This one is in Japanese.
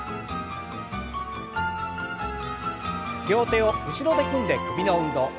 両手を後ろで組んで首の運動。